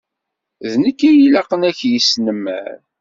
D nekk i ilaqen ad k-yesnamer.